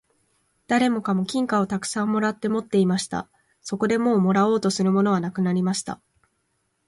誰もかも金貨をたくさん貰って持っていました。そこでもう貰おうとするものはなくなりました。